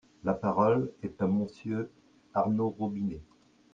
La parole est à Monsieur Arnaud Robinet.